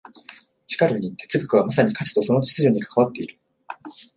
しかるに哲学はまさに価値とその秩序に関わっている。